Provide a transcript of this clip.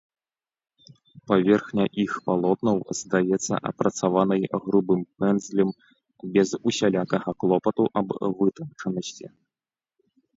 Паверхня іх палотнаў здаецца апрацаванай грубым пэндзлем без усялякага клопату аб вытанчанасці.